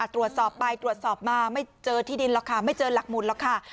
ตรวจสอบไปตรวจสอบมาไม่เจอที่ดินหรอกค่ะไม่เจอหลักหมุนหรอกค่ะ